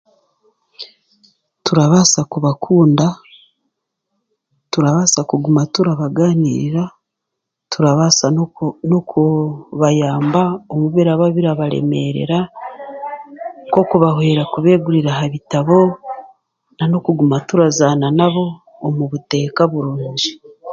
Turabaasa kubakunda, turabaasa kuguma turabagaanirira, turabaasa n'oku n'oku bayamba omu birababirbareemerera nk'okubahwera kubeegurira aha bitabo nan'okuguma turazaana nabo omu buteeka burubgi